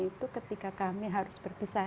itu ketika kami harus berpisah